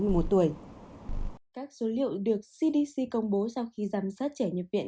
các số liệu được cdc công bố sau khi giám sát trẻ nhập viện